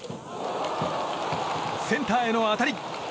センターへの当たり。